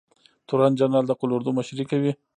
تورن جنرال د قول اردو مشري کوي